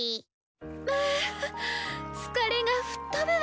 あ疲れが吹っ飛ぶわ。